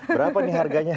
berapa nih harganya